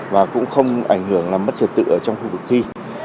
và cũng không ảnh hưởng làm mất trật tự ở trong khu vực thi